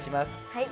はい。